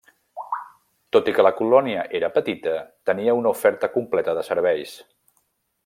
Tot i que la colònia era petita, tenia una oferta completa de serveis.